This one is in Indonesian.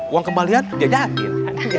uang kembalian dibayangin